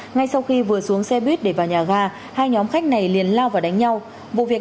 ngay sau khi vừa xuống xe buýt để vào nhà ga hai nhóm khách này liền lao và đánh nhau vụ việc